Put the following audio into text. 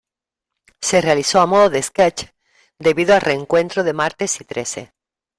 Se realizó a modo de "sketch" debido al reencuentro de "Martes y Trece".